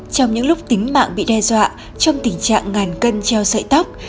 trong những lúc tính mạng bị đe dọa trong tình trạng ngàn cân treo sợi tóc